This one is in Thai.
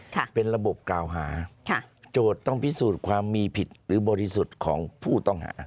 ค่ะเป็นระบบกล่าวหาค่ะโจทย์ต้องพิสูจน์ความมีผิดหรือบริสุทธิ์ของผู้ต้องหา